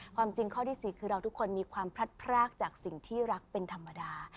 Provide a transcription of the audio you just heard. ความจริงข้อที่๔คือเราทุกคนมีความพลัดพรากจากสิ่งที่รักเป็นธรรมดา